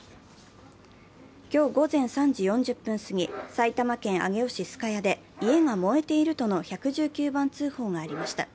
今日午前３時４０分すぎ、埼玉県上尾市須ケ谷で家が燃えているとの１１９番通報がありました。